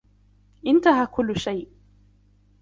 انتهى كل شيء.